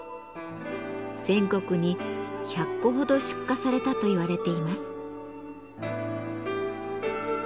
全国に１００個ほど出荷されたと言われています。